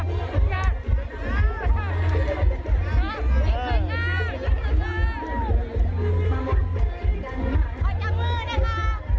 มีบรรยากาศก็เรียงให้เราลองนะฮะ